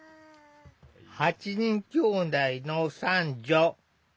８人きょうだいの三女。